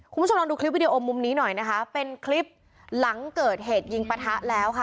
คุณผู้ชมลองดูคลิปวิดีโอมุมนี้หน่อยนะคะเป็นคลิปหลังเกิดเหตุยิงปะทะแล้วค่ะ